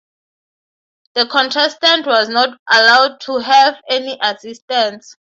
The contestant was not allowed to have any assistance.